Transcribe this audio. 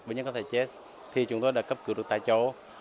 với những ca thể chết thì chúng ta đã cấp cứu được tại chỗ